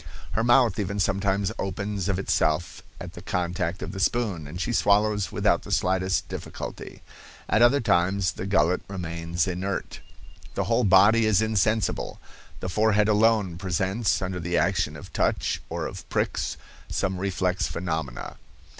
Her mouth even sometimes opens of itself at the contact of the spoon, and she swallows without the slightest difficulty. At other times the gullet remains inert. "The whole body is insensible. The forehead alone presents, under the action of touch or of pricks, some reflex phenomena.